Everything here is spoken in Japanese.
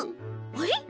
あれ？